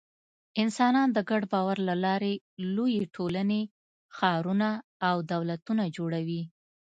انسانان د ګډ باور له لارې لویې ټولنې، ښارونه او دولتونه جوړوي.